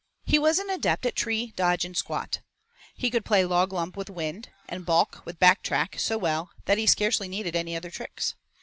He was an adept at 'tree,' 'dodge,' and 'squat,' he could play 'log lump,' with 'wind' and 'baulk' with 'back track' so well that he scarcely needed any other tricks.